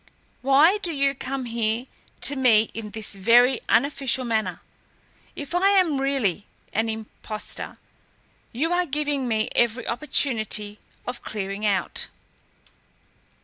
Why do you come here to me in this very unofficial manner? If I am really an impostor, you are giving me every opportunity of clearing out."